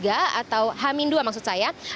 atau hamin dua maksud saya